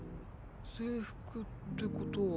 制服ってことは。